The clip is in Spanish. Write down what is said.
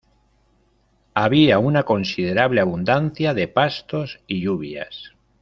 Había una considerable abundancia de pastos y lluvias.